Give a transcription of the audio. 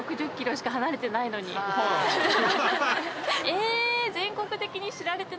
え。